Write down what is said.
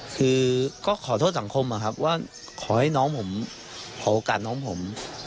คือก็ขอโทษสังคมนะครับผมข้อบอกันน้องผม